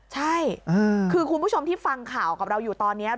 ใช่คือคุณผู้ชมที่ฟังข่าวกับเราอยู่ตอนนี้